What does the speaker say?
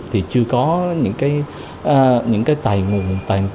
thì chưa có những cái tài nguồn